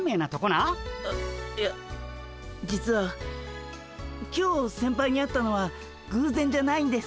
えいや実は今日先輩に会ったのはぐうぜんじゃないんです。